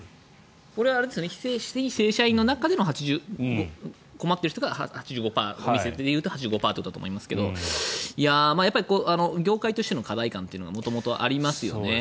これは非正社員の中での困っている人がお店で言うと８５％だと思いますが業界としての課題感がありますよね。